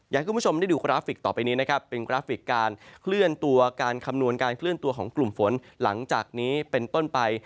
ให้คุณผู้ชมได้ดูกราฟิกต่อไปนี้นะครับเป็นกราฟิกการเคลื่อนตัวการคำนวณการเคลื่อนตัวของกลุ่มฝนหลังจากนี้เป็นต้นไป